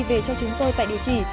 về cho chúng tôi tại địa chỉ